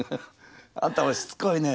「あんたもしつこいね。